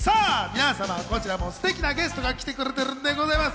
皆様、こちらもステキなゲストが来てくれてるんです。